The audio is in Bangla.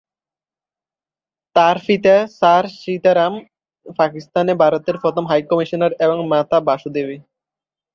তার পিতা স্যার সীতা রাম, পাকিস্তানে ভারতের প্রথম হাইকমিশনার, এবং মাতা বাসুদেবী।